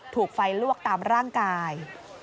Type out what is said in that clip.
ถูกไฟลวกตามร่างกาย